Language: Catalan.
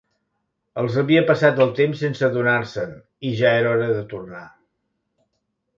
Els havia passat el temps sense adonar-se'n i ja era hora de tornar.